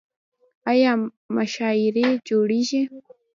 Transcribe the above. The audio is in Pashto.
آیا مشاعرې جوړیږي؟